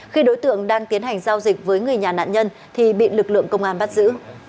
khi đối tượng đang tiến hành giao dịch với người nhà nạn nhân thì bị lực lượng công an bắt giữ